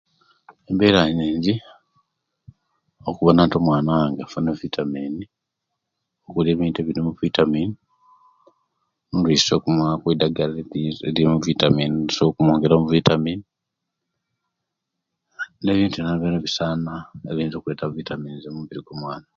Embera yinji okubona nti omwana wange afuna vitamin mugulira ebintu ebirimu vitamin, oluisi okumuwa ku eidagala eririmu vitamin erisobola okumwongera mu vitamin nebintu byobyona ebisana ebiyinza okuleta vitamin omubiri gwa mwana